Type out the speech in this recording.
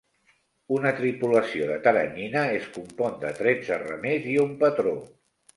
Una tripulació de teranyina es compon de tretze remers i un patró.